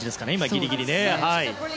ギリギリで。